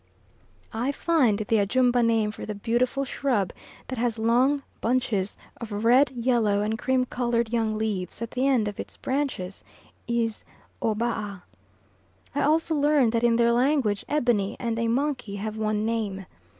I find the Ajumba name for the beautiful shrub that has long bunches of red, yellow and cream coloured young leaves at the end of its branches is "obaa." I also learn that in their language ebony and a monkey have one name.